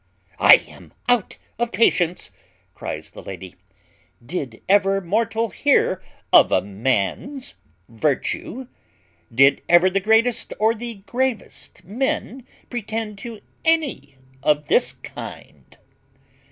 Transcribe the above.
"I am out of patience," cries the lady: "did ever mortal hear of a man's virtue? Did ever the greatest or the gravest men pretend to any of this kind?